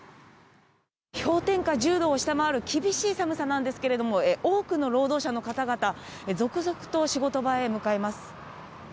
氷点下１０度を下回る厳しい寒さなんですけれども、多くの労働者の方々、続々と仕事場へ向かいます。